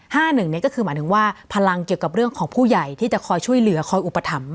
หนึ่งเนี่ยก็คือหมายถึงว่าพลังเกี่ยวกับเรื่องของผู้ใหญ่ที่จะคอยช่วยเหลือคอยอุปถัมภ